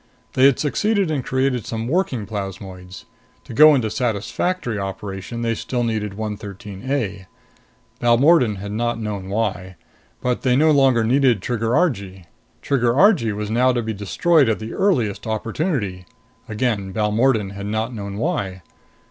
They had succeeded in creating some working plasmoids. To go into satisfactory operation, they still needed 113 A. Balmordan had not known why. But they no longer needed Trigger Argee. Trigger Argee was now to be destroyed at the earliest opportunity. Again Balmordan had not known why.